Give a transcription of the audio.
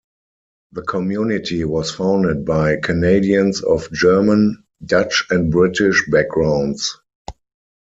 The community was founded by Canadians of German, Dutch and British backgrounds.